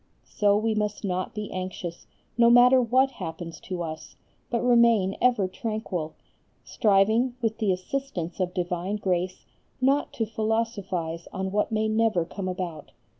So we must not be anxious, no matter what happens to us, but remain ever tranquil, striving with the assistance of divine grace not to philosophize on what may never come about.